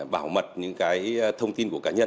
bảo mật những cái thông tin của cá nhân